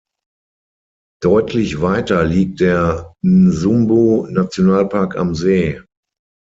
Deutlich weiter liegt der Nsumbu-Nationalpark am See.